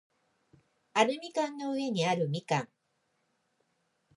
アルミ缶の上にあるみかん